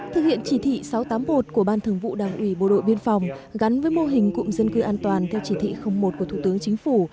thực hiện chỉ thị sáu trăm tám mươi một của ban thường vụ đảng ủy bộ đội biên phòng gắn với mô hình cụm dân cư an toàn theo chỉ thị một của thủ tướng chính phủ